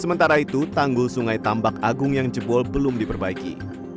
sementara itu tanggul sungai tambak agung yang jebol belum diperbaiki